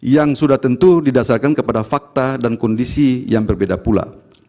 yang sudah tentu didasarkan kepada fakta dan kondisi yang berbeda pula